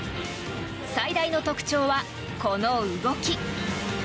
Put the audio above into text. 最大の特徴はこの動き。